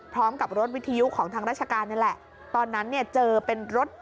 พร้อมกับรถวิทยุของทางราชการนี่แหละตอนนั้นเนี่ยเจอเป็นรถ